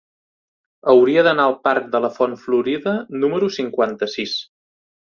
Hauria d'anar al parc de la Font Florida número cinquanta-sis.